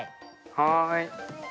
はい。